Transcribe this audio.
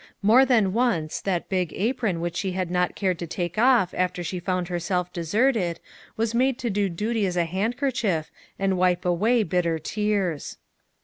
More than once that big apron which she had not cared to take off after she found herself deserted, was made to do duty as a handkerchief and wipe away bitter tears.